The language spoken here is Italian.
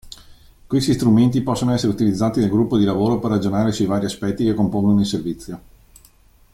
Questi strumenti possono essere utilizzati dal gruppo di lavoro per ragionare sui vari aspetti che compongono il servizio.